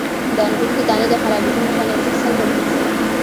د انګورو د دانې د خرابیدو مخه څنګه ونیسم؟